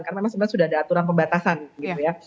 karena memang sebenarnya sudah ada aturan pembatasan gitu ya